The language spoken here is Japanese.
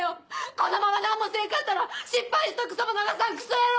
「このまま何もせんかったら失敗したクソも流さんクソ野郎